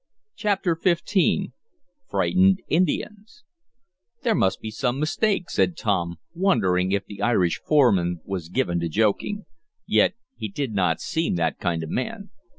Chapter XV Frightened Indians "There must be some mistake," said Tom, wondering if the Irish foreman were given to joking. Yet he did not seem that kind of man.